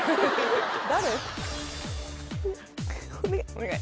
お願い。